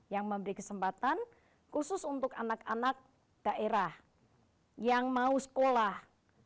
yang memberi kesempatan khusus untuk anak anak daerah yang mau sekolah